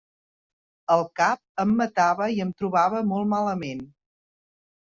El cap em matava i em trobava molt malament.